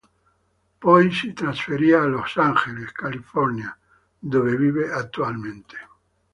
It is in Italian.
Poi si trasferì a Los Angeles, California, dove vive attualmente.